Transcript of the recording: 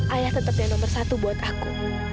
ayah tetap yang nomor satu buat aku